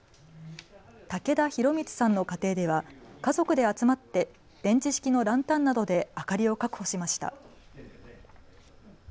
武田広充さんの家庭では家族で集まって電池式のランタンなどで明かりを確保しました。